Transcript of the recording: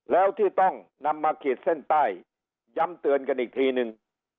แล้วที่ต้องนำมาขีดเส้นใต้ย้ำเตือนกันอีกทีนึง